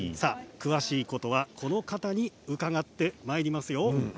詳しいことは、この方に伺ってまいりますよ。